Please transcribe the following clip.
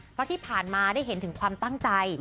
เพราะที่ผ่านมาได้เห็นถึงความตั้งใจ